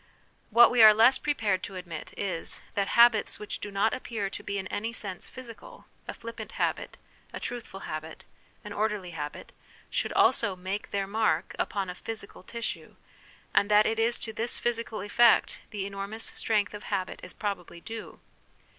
What we are less pre pared to admit is, that habits which do not appear to be in any sense physical a flippant habit, a truthful habit, an orderly habit should also make their mark upon a physical tissue, and that it is to this physical effect the enormous strength of habit is probably due.